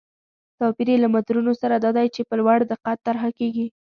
توپیر یې له مترونو سره دا دی چې په لوړ دقت طرحه کېږي.